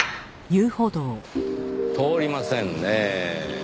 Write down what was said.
通りませんねぇ。